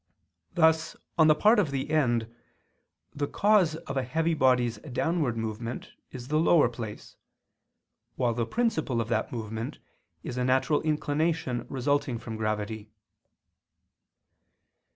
Thus, on the part of the end, the cause of a heavy body's downward movement is the lower place; while the principle of that movement is a natural inclination resulting from gravity.